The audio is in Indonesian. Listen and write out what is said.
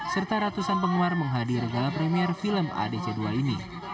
serta ratusan penggemar menghadiri balap premier film aadc dua ini